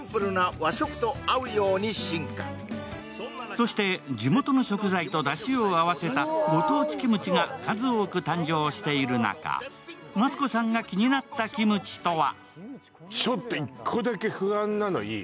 そして、地元の食材とだしを合わせたご当地キムチが数多く誕生している中、マツコさんが気になったキムチとは。